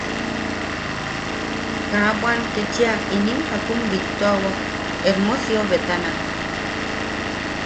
Ka bwan ketchia imin jakun bittuawak Hermosio betana.